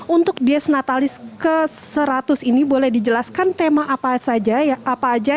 untuk dies natalis ke seratus ini boleh dijelaskan tema apa saja